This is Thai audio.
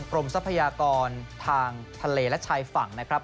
ทรัพยากรทางทะเลและชายฝั่งนะครับ